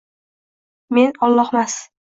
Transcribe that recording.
Men — Ollohmas